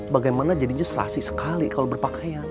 bagaimana jadinya serasi sekali kalau berpakaian